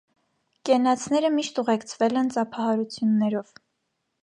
Կենացները միշտ ուղեկցվել են ծափահարություններով։